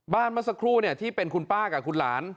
บ้านมาสักครู่เนี่ยที่เป็นคุณป้ากับคุณหลาน